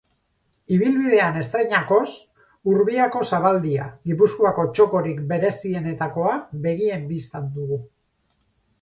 Ibilbidean estreinakoz, Urbiako zabaldia, Gipuzkoako txokorik berezienetakoa, begien bistan dugu.